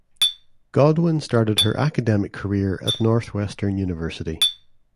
Godwin started her academic career at Northwestern University.